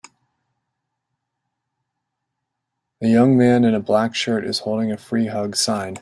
A young man in a black shirt is holding a Free Hugs sign.